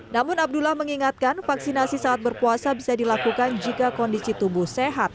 namun abdullah mengingatkan vaksinasi saat berpuasa bisa dilakukan jika kondisi tubuh sehat